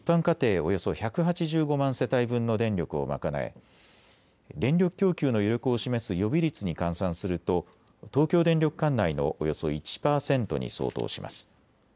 およそ１８５万世帯分の電力を賄え電力供給の余力を示す予備率に換算すると東京電力管内のおよそ１％に相当します。